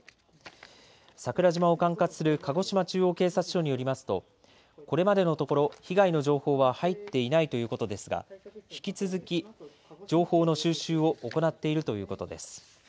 桜島を管轄する鹿児島中央警察署によりますとこれまでのところ被害の情報は入っていないということですが引き続き情報の収集を行っているということです。